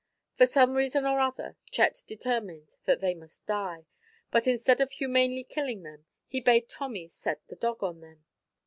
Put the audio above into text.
For some reason or other, Chet determined that they must die, but instead of humanely killing them, he bade Tommy set the dog on them.